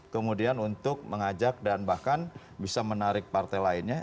kemudian untuk mengajak dan bahkan bisa menarik partai lainnya